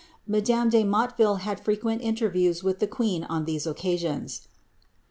Madame [e had frequent interviews with the queen on these occasions.